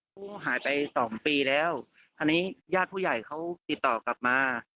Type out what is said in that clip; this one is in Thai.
ผู้หายไปสองปีแล้วอันนี้ญาติผู้ใหญ่เขาติดต่อกลับมา